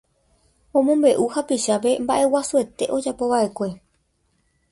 Omombe'u hapichápe mba'eguasuete ojapova'ekue